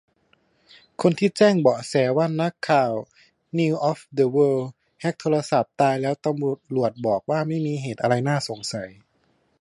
คนที่แจ้งเบาะแสว่านักข่าวนิวส์ออฟเดอะเวิลด์แฮ็กโทรศัพท์ ตายแล้ว ตำรวจบอกว่าไม่มีเหตุอะไรน่าสงสัย